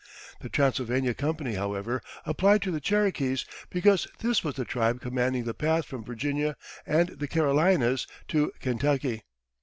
The Transylvania Company, however, applied to the Cherokees, because this was the tribe commanding the path from Virginia and the Carolinas to Kentucky.